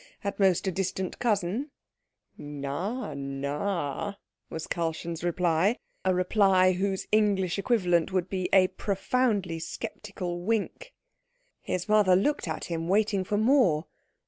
At most a distant cousin." "Na, na," was Karlchen's reply; a reply whose English equivalent would be a profoundly sceptical wink. His mother looked at him, waiting for more.